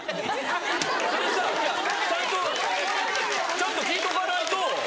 ちゃんと聞いとかないと。